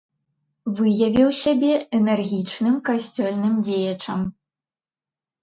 Выявіў сябе энергічным касцёльным дзеячам.